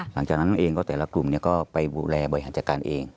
หลังจากนั้นเองก็แต่ละกลุ่มก็ไปดูแลบริหารจัดการเอง